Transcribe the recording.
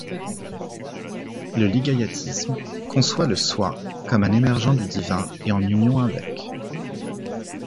Le lingayatisme conçoit le Soi comme émergeant du divin et en union avec.